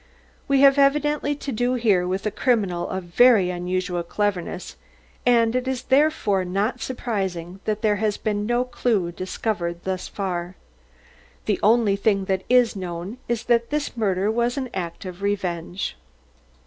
We have evidently to do here with a criminal of very unusual cleverness and it is therefore not surprising that there has been no clue discovered thus far. The only thing that is known is that this murder was an act of revenge.